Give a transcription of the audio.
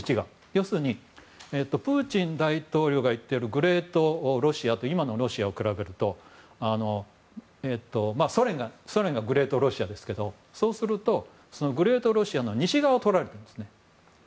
要するに、プーチン大統領が言っているグレートロシアと今のロシアを比べるとソ連がグレートロシアですけどそうすると、グレートロシアの西側をとられてるんですね。